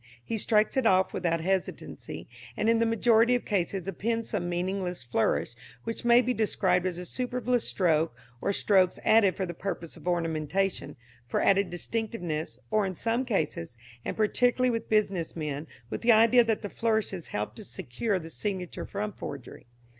He strikes it off without hesitancy, and in the majority of cases appends some meaningless flourish, which may be described as a superfluous stroke or strokes added for the purpose of ornamentation, for adding distinctiveness, or, in some cases, and particularly with business men, with the idea that the flourishes help to secure the signature from forgery.